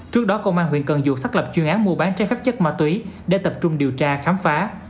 trước đó công an huyện cần duộc xác lập chuyên án mua bán trái phép chất ma túy để tập trung điều tra khám phá